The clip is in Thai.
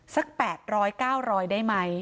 สัก๘๐๐๙๐๐ได้ไหม